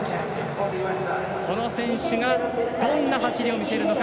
この選手がどんな走りを見せるのか。